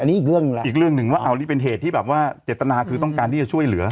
อันนี้อีกเรื่องหนึ่งแล้วอีกเรื่องหนึ่งว่าเอานี่เป็นเหตุที่แบบว่าเจตนาคือต้องการที่จะช่วยเหลือ